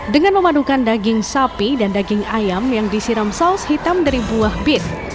dengan memadukan daging sapi dan daging ayam yang disiram saus hitam dari buah bin